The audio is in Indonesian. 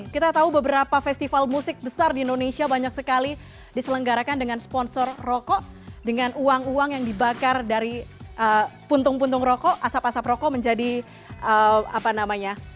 kita tahu beberapa festival musik besar di indonesia banyak sekali diselenggarakan dengan sponsor rokok dengan uang uang yang dibakar dari puntung puntung rokok asap asap rokok menjadi apa namanya